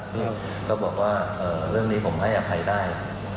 ซึ่งก็บอกว่าเรื่องนี้ผมให้อภัยได้